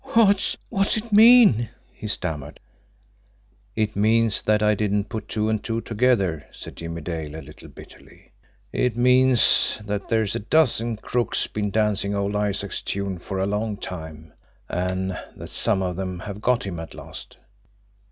"What's what's it mean?" he stammered. "It means that I didn't put two and two together," said Jimmie Dale a little bitterly. "It means that there's a dozen crooks been dancing old Isaac's tune for a long time and that some of them have got him at last."